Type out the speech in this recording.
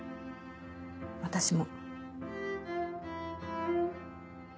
私も。